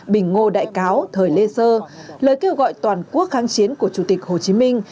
bình ngô đại cáo thời lê sơ lời kêu gọi toàn quốc kháng chiến của chủ tịch hồ chí minh